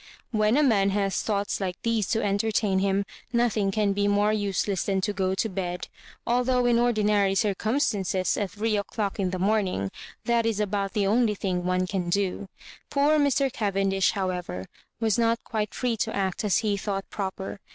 When a man has thoughts like these to enter tain him, nothing can be more useless than to go Digitized by VjOOQIC 104 KISS icAJurosiBAisnBia to bed, althdagh in ordiaary circumstances, at three o*clock in the momingp, that is about the only thing one can do. Poor Mr. Cavendish, however, was not quite free to act as he thought proper.